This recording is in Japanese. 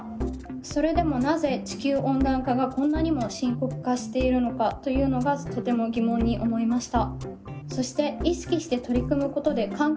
それでもなぜ地球温暖化がこんなにも深刻化しているのかというのがとても疑問に思いました。